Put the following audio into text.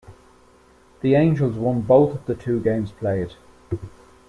The Angels won both of the two games played.